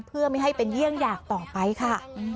เพื่อไม่ให้เป็นเยี่ยงอยากต่อไปค่ะ